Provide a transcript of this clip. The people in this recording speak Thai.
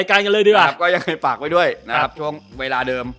ก็ยังเคยฝากไว้ด้วยนะครับช่วงเวลาเดิม